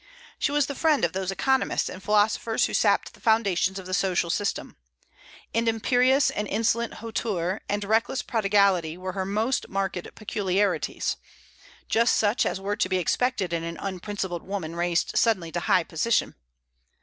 She was the friend of those economists and philosophers who sapped the foundations of the social system. An imperious and insolent hauteur and reckless prodigality were her most marked peculiarities, just such as were to be expected in an unprincipled woman raised suddenly to high position.